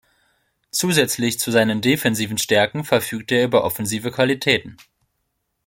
Zusätzlich zu seinen defensiven Stärken verfügte er über offensive Qualitäten.